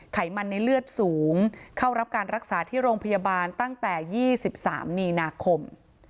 ไขมันในเลือดสูงเข้ารับการรักษาที่โรงพยาบาลตั้งแต่๒๓มีนาคม